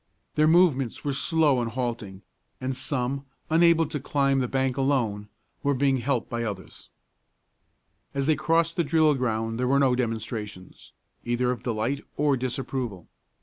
Their movements were slow and halting; and some, unable to climb the bank alone, were being helped along by others. As they crossed the drill ground there were no demonstrations, either of delight or disapproval.